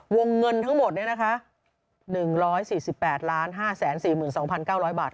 วงเงินทั้งหมดนี้นะคะ๑๔๘๕๔๒๙๐๐บาท